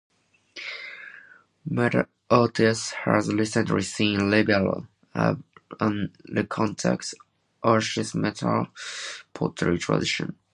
Mata Ortiz has recently seen a revival of an recontact Oasisamerica pottery tradition.